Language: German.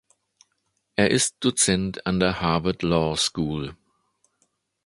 Er ist Dozent an der Harvard Law School.